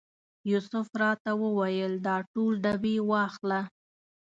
یوسف راته وویل دا ټول ډبې واخله.